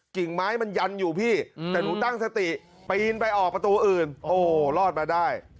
กิ่งไม้มันยันอยู่พี่แต่หนูตั้งสติปีนไปออกประตูอื่นโอ้รอดมาได้